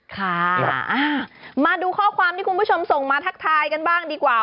ค่ะมาดูข้อความที่คุณผู้ชมส่งมาทักทายกันบ้างดีกว่า